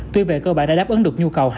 tuy về cơ bản đã đáp ứng được nhu cầu